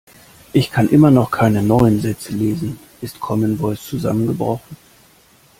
Ich kann immer noch keine neuen Sätze lesen. Ist Commen Voice zusammengebrochen?